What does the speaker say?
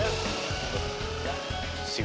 ada yang lupa nih